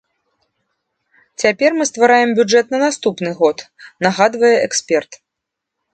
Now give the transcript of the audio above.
Цяпер мы ствараем бюджэт на наступны год, нагадвае эксперт.